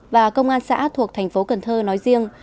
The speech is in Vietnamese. và công an xã thuộc thành phố cần thơ nói riêng